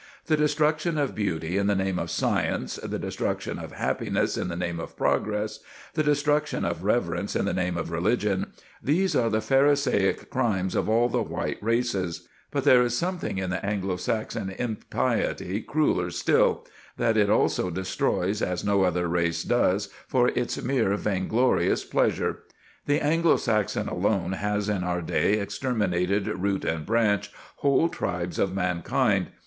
The destruction of beauty in the name of science, the destruction of happiness in the name of progress, the destruction of reverence in the name of religion, these are the Pharisaic crimes of all the white races; but there is something in the Anglo Saxon impiety crueller still: that it also destroys, as no other race does, for its mere vainglorious pleasure. The Anglo Saxon alone has in our day exterminated, root and branch, whole tribes of mankind.